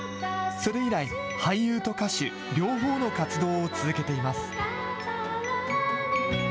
それ以来、俳優と歌手、両方の活動を続けています。